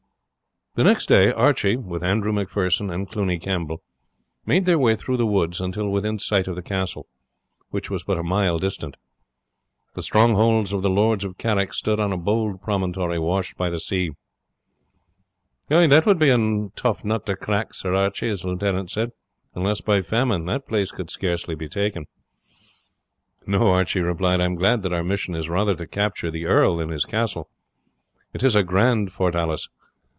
The next day Archie, with Andrew Macpherson and Cluny Campbell, made their way through the woods until within sight of the castle, which was but a mile distant. The strongholds of the lords of Carrick stood on a bold promontory washed by the sea. "It would be a hard nut to crack, Sir Archie," his lieutenant said. "Unless by famine, the place could scarce be taken." "No," Archie replied, "I am glad that our mission is rather to capture the earl than his castle. It is a grand fortalice.